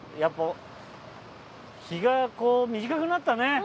っぱ日が短くなったね。